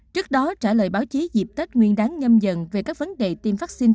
trước đó trả lời báo chí dịp tết nguyên đáng nhâm dần về các vấn đề tiêm vaccine